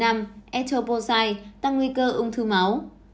loại thuốc thứ năm etoposide tăng nguy cơ ung thư máu